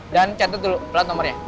dan catat dulu pelan nomornya